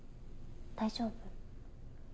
大丈夫？